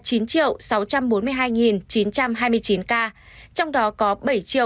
trong đó có bảy sáu trăm linh ba sáu trăm năm mươi chín bệnh nhân đã được công bố khỏi bệnh